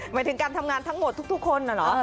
หมายถึงการทำงานทั้งหมดทุกคนน่ะเหรอ